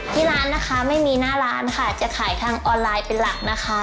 ที่ร้านนะคะไม่มีหน้าร้านค่ะจะขายทางออนไลน์เป็นหลักนะคะ